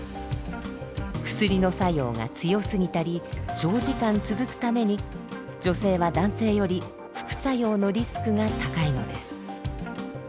薬の作用が強すぎたり長時間続くために女性は男性より副作用のリスクが高いのです。